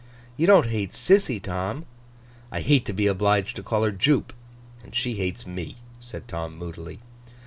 'You don't hate Sissy, Tom?' 'I hate to be obliged to call her Jupe. And she hates me,' said Tom, moodily.